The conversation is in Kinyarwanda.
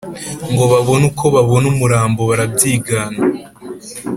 ngo babone uko babona umurambo barabyigana .